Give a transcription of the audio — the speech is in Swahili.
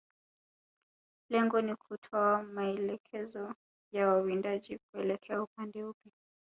Lengo ni kutoa maelekezo ya wawindaji kuelekea upande upi